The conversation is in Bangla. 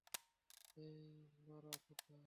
হেই, লরা কোথায়?